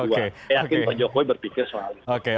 saya yakin pak jokowi berpikir soal itu